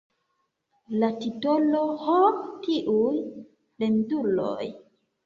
La titolo "Ho, tiuj fremduloj!